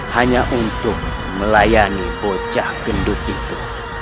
hanya untuk melayani bocah gendut itu